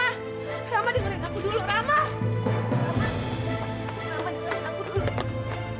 rama dengerin aku dulu